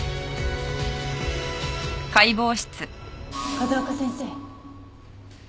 風丘先生。